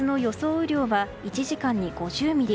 雨量は１時間に５０ミリ。